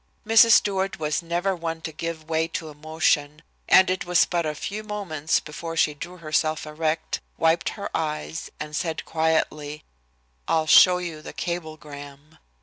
Mrs. Stewart was never one to give way to emotion, and it was but a few moments before she drew herself erect, wiped her eyes, and said quietly: "I'll show you the cablegram."